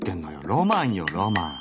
ロマンよロマン。